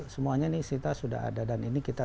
semuanya ini kita sudah ada dan ini kita